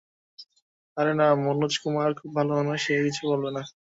আরে না, মনোজ কুমার খুব ভাল মানুষ, সে কিছু বলবে না।